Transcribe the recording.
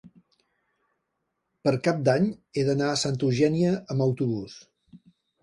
Per Cap d'Any he d'anar a Santa Eugènia amb autobús.